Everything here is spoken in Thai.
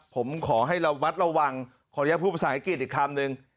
ผมขอให้ระวัดระวังขออนุญาตพูดภาษาอังกฤษอีกคำนึง